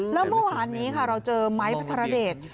แล้วเมื่อวานนี้ค่ะเราเจอไม้พัทรเดช